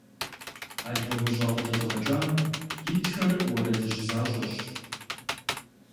Албомыщӏэ къыдэдгъэкӏам итхэр уэрэдыжь защӏэщ.